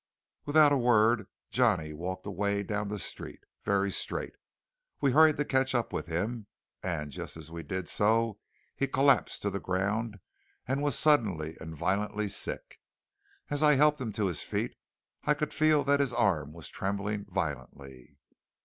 Without a word Johnny walked away down the street, very straight. We hurried to catch up with him; and just as we did so he collapsed to the ground and was suddenly and violently sick. As I helped him to his feet, I could feel that his arm was trembling violently.